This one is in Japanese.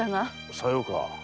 さようか。